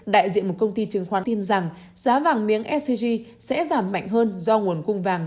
đại diện một công ty chứng khoán tin rằng giá vàng miếng sgc sẽ giảm mạnh hơn do nguồn cung vàng